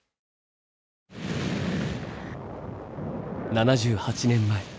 ７８年前。